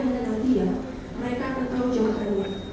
mengenal dia mereka akan tahu jawabannya